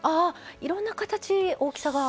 いろんな形大きさが。